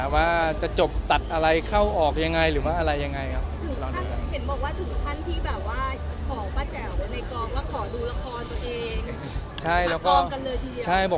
ว่าจะจบตัดอะไรเข้าออกยังไงหรือว่าอะไรยังไงครับ